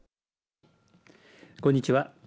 こんにちは。